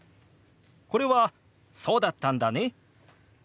これは「そうだったんだね」